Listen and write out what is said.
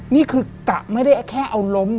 นี่คือกะไม่ได้แค่เอาล้ม